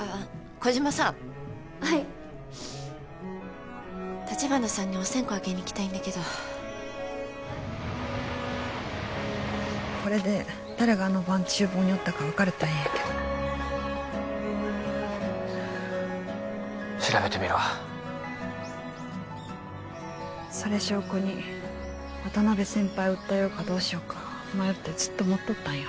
児島さんはい橘さんにお線香あげに行きたいんだけどこれで誰があの晩厨房におったか分かるとええんやけど調べてみるわそれ証拠に渡辺先輩を訴えようかどうしようか迷ってずっと持っとったんよ